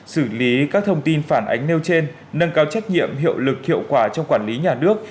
xử lý các thông tin phản ánh nêu trên nâng cao trách nhiệm hiệu lực hiệu quả trong quản lý nhà nước